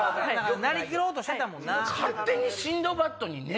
なりきろうとしてたもんな。